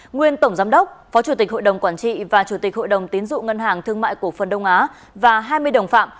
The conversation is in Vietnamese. nguyên tổng giám đốc phó chủ tịch hội đồng quản trị và chủ tịch hội đồng tiến dụng ngân hàng thương mại cổ phần đông á và hai mươi đồng phạm